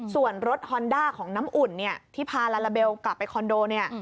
ส่วนรถฮอนด้าของน้ำอุ่นเนี่ยที่พาลาลาเบลกลับไปคอนโดเนี่ย